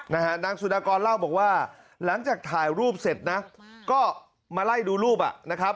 นางสุดากรเล่าบอกว่าหลังจากถ่ายรูปเสร็จนะก็มาไล่ดูรูปอ่ะนะครับ